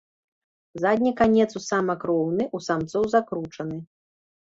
Задні канец у самак роўны, у самцоў закручаны.